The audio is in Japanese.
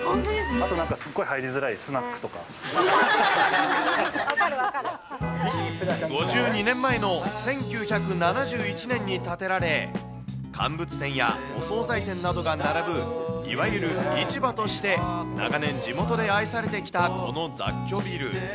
あとなんか本当、５２年前の１９７１年に建てられ、乾物店やお総菜店などが並ぶ、いわゆる市場として長年、地元で愛されてきたこの雑居ビル。